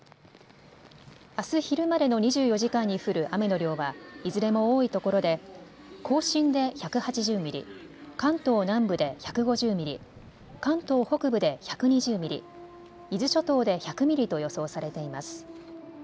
あす昼までの２４時間に降る雨の量はいずれも多いところで甲信で１８０ミリ、関東南部で１５０ミリ、関東北部で１２０ミリ、伊豆諸島で１００ミリと予想されています。